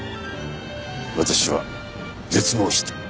私は絶望した。